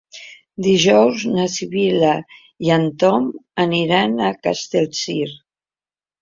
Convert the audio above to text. Dijous na Sibil·la i en Ton aniran a Castellcir.